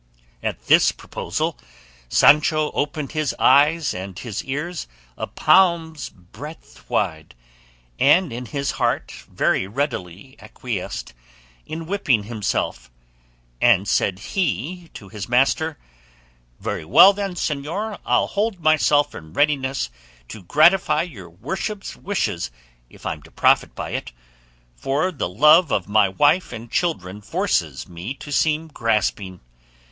At this proposal Sancho opened his eyes and his ears a palm's breadth wide, and in his heart very readily acquiesced in whipping himself, and said he to his master, "Very well then, señor, I'll hold myself in readiness to gratify your worship's wishes if I'm to profit by it; for the love of my wife and children forces me to seem grasping.